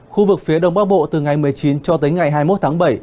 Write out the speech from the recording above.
khu vực phía đông bắc bộ từ ngày một mươi chín cho tới ngày hai mươi một tháng bảy